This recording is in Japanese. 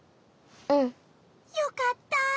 うん。よかった。